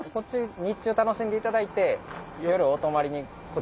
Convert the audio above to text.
日中楽しんでいただいて夜お泊まりに。